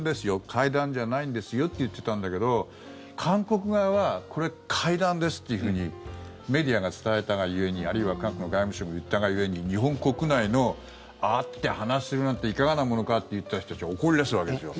会談じゃないんですよって言ってたんだけど韓国側はこれは会談ですってメディアが伝えたが故にあるいは韓国の外務省が言ったが故に日本国内の、会って話するなんていかがなものかって言ってた人たちが怒り出すわけですよ。